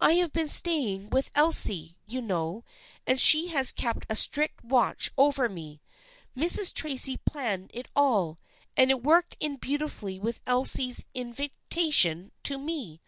I have been staying with Elsie, you know, and she has kept a strict watch over me. Mrs. Tracy planned it all, and it worked in beautifully with Elsie's in vitation to me.